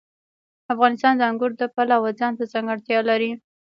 افغانستان د انګور د پلوه ځانته ځانګړتیا لري.